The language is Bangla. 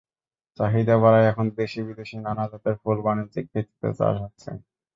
চাহিদা বাড়ায় এখন দেশি-বিদেশি নানা জাতের ফুল বাণিজ্যিক ভিত্তিতে চাষ হচ্ছে।